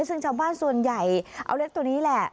ซึ่งชาวบ้านส่วนใหญ่เอาเล็กตัวนี้แหละ